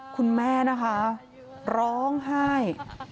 คุณแม่นะคะร้องไห้